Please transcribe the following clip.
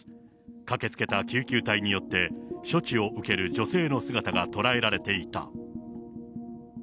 駆けつけた救急隊によって、処置を受ける女性の姿が捉えられていた。